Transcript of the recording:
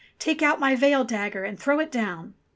Take out my veil dagger and throw it down."